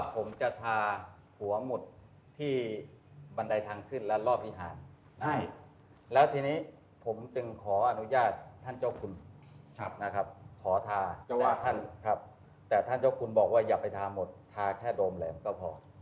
ผมจึงขออนุญาตท่านเจ้าคุณขอทาแต่ท่านเจ้าคุณบอกว่าอย่าไปทาหมดทาแค่โดมแหลมก็พอ